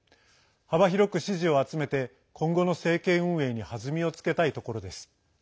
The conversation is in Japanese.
幅広く支持を集めて今後の政権運営に弾みをつけたいところです。